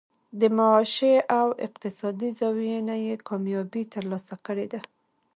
د معاشي او اقتصادي زاويې نه ئې کاميابي تر لاسه کړې ده